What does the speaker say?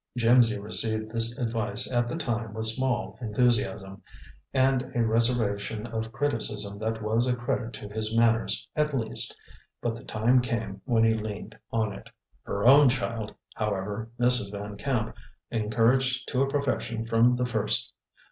Jimsy received this advice at the time with small enthusiasm, and a reservation of criticism that was a credit to his manners, at least. But the time came when he leaned on it. Her own child, however, Mrs. Van Camp encouraged to a profession from the first.